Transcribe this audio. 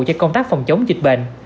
cho công tác phòng chống dịch bệnh